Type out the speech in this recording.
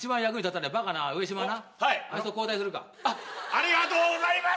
ありがとうございます！